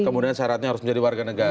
kemudian syaratnya harus menjadi warga negara